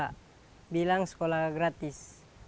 saya bilang sekolah gratis